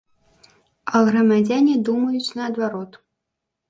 А грамадзяне думаюць наадварот.